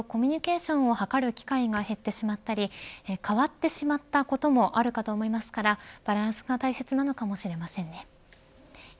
その一方で人とコミュニケーションを図る機会が減ってしまったり変わってしまったこともあるかと思いますからバランスが大切なのかもしれませんね。